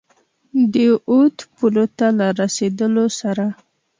د اود پولو ته له رسېدلو سره.